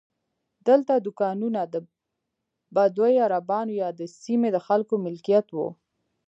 دلته دوکانونه د بدوي عربانو یا د سیمې د خلکو ملکیت وو.